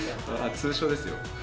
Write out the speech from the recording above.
通称ですよ。